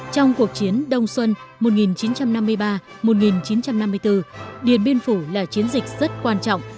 trong cuộc chiến đông xuân một nghìn chín trăm năm mươi ba một nghìn chín trăm năm mươi bốn điện biên phủ là chiến dịch rất quan trọng